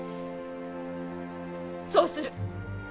そうする。